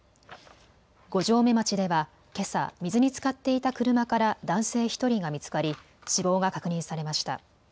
五城目町ではけさ、水につかっていた車から男性１人が見つかり死亡が確認されました。